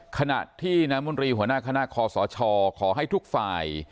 ขณะที่น้ำมนตรีหัวหน้าคณะคอสชขอให้ทุกฝ่าย